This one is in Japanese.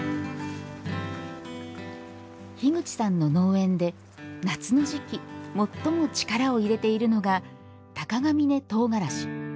樋口さんの農園で夏の時期もっとも力を入れているのが鷹峯とうがらし。